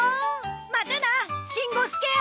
またなしん五すけ！